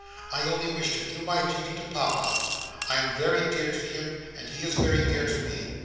I only wish to do my duty to Papa. I am very dear to him, and he is very dear to me.